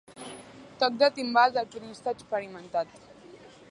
Toc de timbal d'alpinista experimentat.